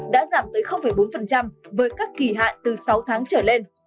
đã giảm tới bốn với các kỳ hạn từ sáu tháng trở lên